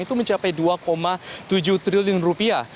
itu mencapai dua tujuh triliun rupiah